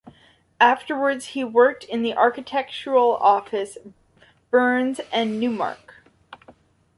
Afterward he worked in the architectural office Behrens and Neumark.